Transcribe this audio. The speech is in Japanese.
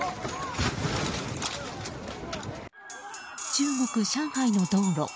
中国・上海の道路。